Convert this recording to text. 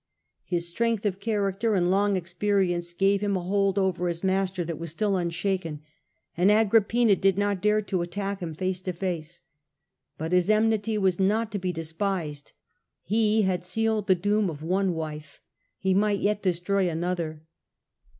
His strength of character and long experience gave him a hold over his master that was still unshaken, and Agrippina did not dare to attack him face to face. But his enmity was not to be des pised. He had sealed the doom of one wife — he might yet destroy another.